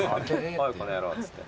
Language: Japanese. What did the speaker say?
「おいこの野郎」っつって。